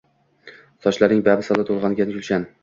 Sochlaring bamisli to’lg’angan gulshan.